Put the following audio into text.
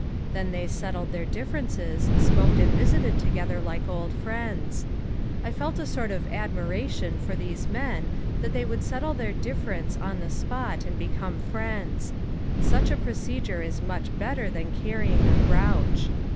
Then they settled their differences, smoked and visited together like old friends. I felt a sort of admiration for these men that they would settle their difference on the spot and became friends. Such a procedure is much better than carrying a grouch.